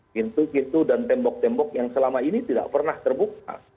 pintu pintu dan tembok tembok yang selama ini tidak pernah terbuka